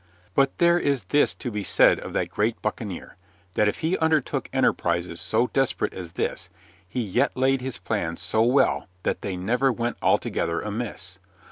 But there is this to be said of that great buccaneer: that if he undertook enterprises so desperate as this, he yet laid his plans so well that they never went altogether amiss.